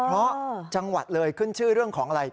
เพราะจังหวัดเลยขึ้นชื่อเรื่องของอะไร